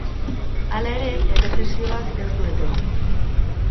Hala ere, errepresioak ez du etenik.